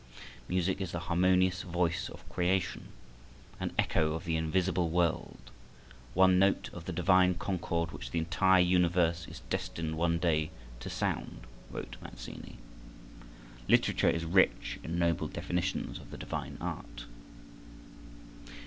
"Music is the harmonious voice of creation, an echo of the invisible world, one note of the divine concord which the entire universe is destined one day to sound," wrote Mazzini. Literature is rich in noble definitions of the divine art.